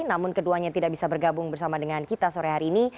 namun keduanya tidak bisa bergabung bersama dengan kita sore hari ini